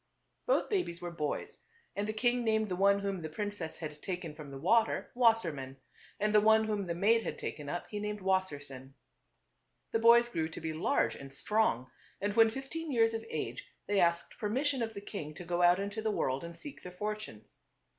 Both babies were boys, and the king named the one whom the princess had taken from the water Wassermann, and the one whom the maid had taken up, he named Wassersein. The boys grew to be large and strong, and when fifteen years of age they asked permission of the king to go out into the world and seek their fortunes.